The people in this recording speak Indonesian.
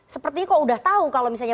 sepertinya kok udah tahu kalau misalnya